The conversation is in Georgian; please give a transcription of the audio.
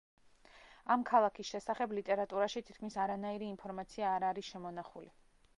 ამ ქალაქის შესახებ ლიტერატურაში თითქმის არანაირი ინფორმაცია არ არის შემონახული.